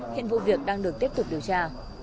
hiện vụ việc đang được tiếp tục điều tra